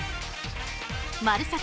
「＃まるサタ！